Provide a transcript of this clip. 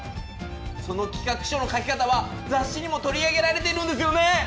その企画書の書き方は雑誌にも取り上げられているんですよね？